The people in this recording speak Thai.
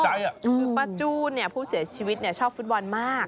คือป้าจู้ผู้เสียชีวิตชอบฟุตบอลมาก